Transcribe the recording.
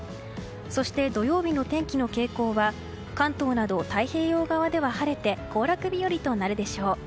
そして、土曜日の天気の傾向は関東など太平洋側では晴れて行楽日和となるでしょう。